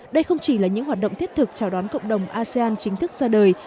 đây không chỉ là những hoạt động thiết thực chào đón cộng đồng asean chính thức ra đời